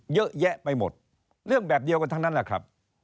เยอะแยะไปหมดเรื่องแบบเดียวกันทั้งนั้นแหละครับ